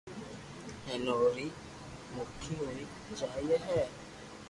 ھين اوري مڪي ھوئي جائي ھي